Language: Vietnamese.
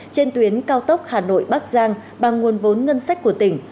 trên tuyến cao tốc hà nội bắc giang bằng nguồn vốn ngân sách của tỉnh